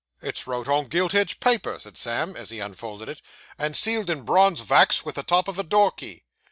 'It's wrote on gilt edged paper,' said Sam, as he unfolded it, 'and sealed in bronze vax vith the top of a door key.